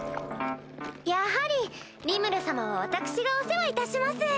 やはりリムル様は私がお世話いたします。